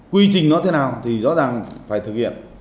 quy trình nó thế nào thì rõ ràng phải thực hiện